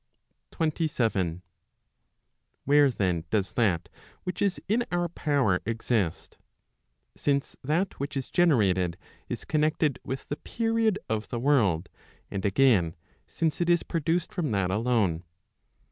27. Where then does that which is in our power exist ? Since that which is generated, is connected with the period of the world, and again, since it is produced from that alone.